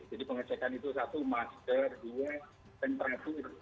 jadi pengecekan itu satu masker dua temperatur